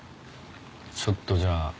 ちょっとじゃあ。